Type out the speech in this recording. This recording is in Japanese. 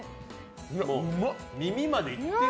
耳までいってみ。